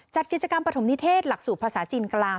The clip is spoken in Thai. จัดกิจกรรมปฐมนิเทศหลักสูตรภาษาจีนกลาง